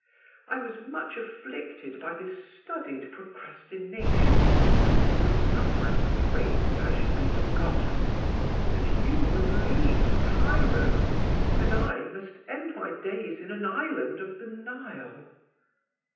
I was much afflicted by this studied procrastination, and was sometimes afraid that I should be forgotten; that you would leave Cairo, and I must end my days in an island of the Nile.